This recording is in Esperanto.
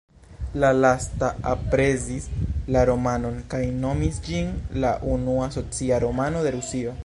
La lasta aprezis la romanon kaj nomis ĝin la unua "socia romano" de Rusio.